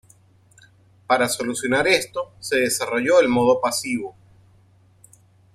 Para solucionar esto se desarrolló el modo "pasivo".